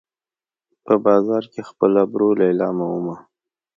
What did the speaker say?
په بازار کې خپل ابرو لیلامومه